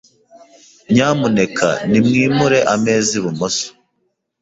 Nyamuneka nimwimure ameza ibumoso.